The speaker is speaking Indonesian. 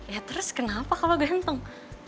ya terus kenapa kalau ganteng